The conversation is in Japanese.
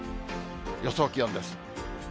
予想気温です。